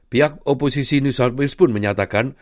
pihak oposisi nisotwils pun menyatakan